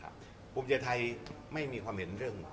ภูมิใจไทยไม่มีความเห็นเรื่อง